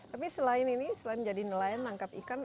tapi selain ini selain jadi nelayan menangkap ikan